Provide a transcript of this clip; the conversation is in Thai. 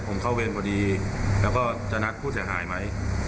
ผมเข้าเวรพอดีแล้วก็จะนัดผู้เสียหายไหม